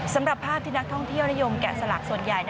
สำหรับภาพที่นักท่องเที่ยวนิยมแกะสลักส่วนใหญ่